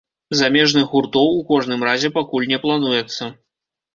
Замежных гуртоў у кожным разе пакуль не плануецца.